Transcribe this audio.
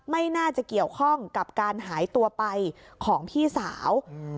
ไม่น่าจะเกี่ยวข้องกับการหายตัวไปของพี่สาว